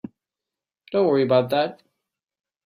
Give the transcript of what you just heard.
Don't worry about that.